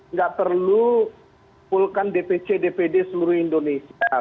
nggak perlu pulkan dpc dpd seluruh indonesia